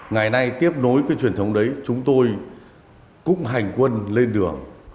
ngày nay tiếp nối cái truyền thống đấy chúng tôi cũng hành quân lên đường